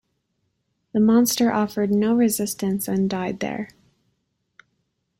The monster offered no resistance and died there.